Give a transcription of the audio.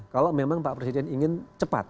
kalau memang pak presiden ingin cepat